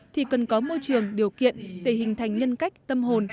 thì cần có môi trường điều kiện để hình thành nhân cách tâm hồn